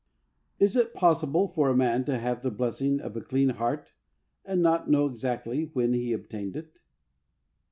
Is it possible for a man to have the blessing of a clean heart and not know exactly when he obtained it